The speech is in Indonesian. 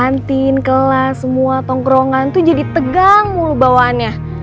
kantin kelas semua tongkrongan itu jadi tegang mulu bawaannya